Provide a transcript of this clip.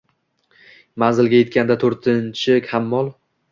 …Manzilga yetganda to’rtinchi hammol